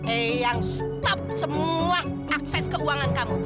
eng stop semua akses keuangan kamu